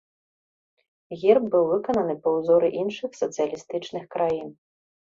Герб быў выкананы па ўзоры іншых сацыялістычных краін.